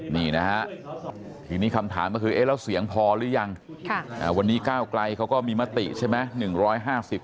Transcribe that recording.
นี่นะฮะทีนี้คำถามก็คือเอ๊ะแล้วเสียงพอหรือยังวันนี้ก้าวไกลเขาก็มีมติใช่ไหม